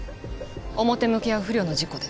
表向きは不慮の事故で。